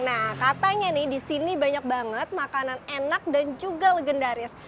nah katanya nih di sini banyak banget makanan enak dan juga legendaris